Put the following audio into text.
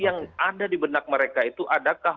yang ada di benak mereka itu adakah